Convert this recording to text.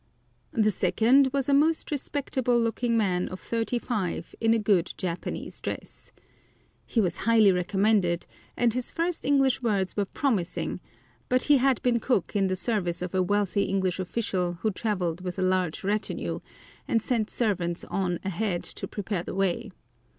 The second was a most respectable looking man of thirty five in a good Japanese dress. He was highly recommended, and his first English words were promising, but he had been cook in the service of a wealthy English official who travelled with a large retinue, and sent servants on ahead to prepare the way.